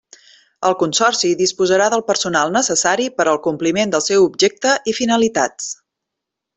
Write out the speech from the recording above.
El consorci disposarà del personal necessari per al compliment del seu objecte i finalitats.